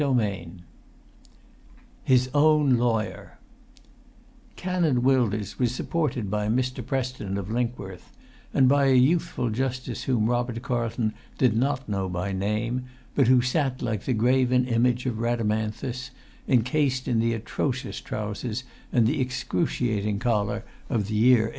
[Pg 150] XV HIS OWN LAWYER Canon Wilders was supported by Mr. Preston, of Linkworth, and by a youthful justice whom Robert Carlton did not know by name, but who sat like the graven image of Rhadamanthus, encased in the atrocious trousers and the excruciating collar of the year 1882.